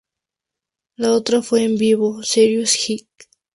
La otra fue en vivo ""Serious Hits...